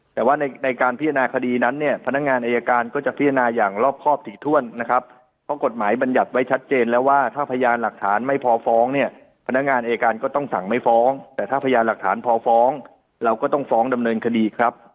แต่ว่าในการพิจารณาคดีนั้นเนี่ยพนักงานอายการก็จะพิจารณาอย่างรอบครอบถี่ถ้วนนะครับเพราะกฎหมายบรรยัติไว้ชัดเจนแล้วว่าถ้าพยานหลักฐานไม่พอฟ้องเนี่ยพนักงานอายการก็ต้องสั่งไม่ฟ้องแต่ถ้าพยานหลักฐานพอฟ้องเราก็ต้องฟ้องดำเนินคดีครับ